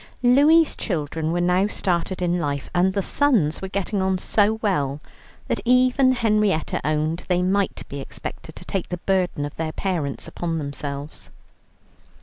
Louie's children were now started in life, and the sons were getting on so well that even Henrietta owned they might be expected to take the burden of their parents upon themselves.